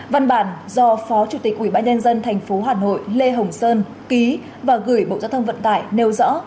văn bản do phó chủ tịch quỹ ban nhân dân tp hà nội lê hồng sơn ký và gửi bộ giao thông vận tải nêu rõ